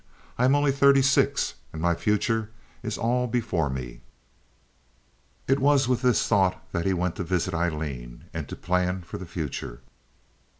I am only thirty six, and my future is all before me." It was with this thought that he went to visit Aileen, and to plan for the future.